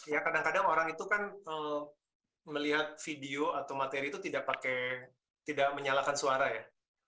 ya kadang kadang orang itu kan melihat video atau materi itu tidak pakai tidak menyalakan suara ya